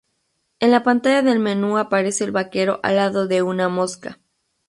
En la pantalla del menú aparece el vaquero al lado de una mosca.